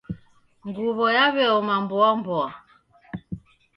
Nguw'o yaw'eoma mboa mboa.